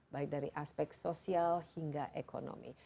baik dari aspek sosial hingga ekonomi